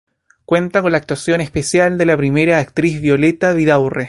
Cuenta con la actuación especial de la primera actriz Violeta Vidaurre.